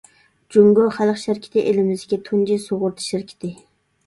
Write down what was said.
جۇڭگو خەلق شىركىتى ئېلىمىزدىكى تۇنجى سۇغۇرتا شىركىتى.